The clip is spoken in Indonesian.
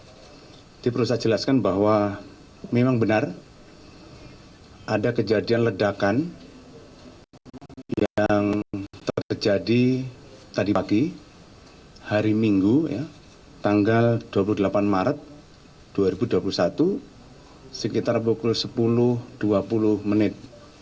jadi perlu saya jelaskan bahwa memang benar ada kejadian ledakan yang terjadi tadi pagi hari minggu tanggal dua puluh delapan maret dua ribu dua puluh satu sekitar pukul sepuluh dua puluh menit